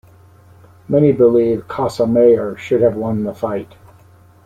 Many believe Casamayor should have won the fight.